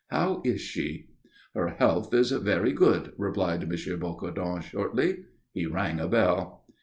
How is she?" "Her health is very good," replied M. Bocardon, shortly. He rang a bell.